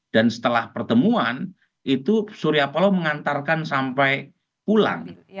dan setelah pertemuan itu surya paloh mengantarkan sampai pulang